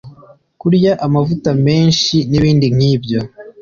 kurya amavuta menshi n’ibindi nk'ibyo